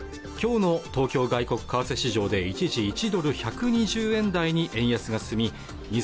きょうの東京外国為替市場で一時１ドル１２０円台に円安が進み